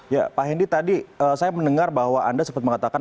ya pak hendy tadi saya mendengar bahwa anda sempat mengatakan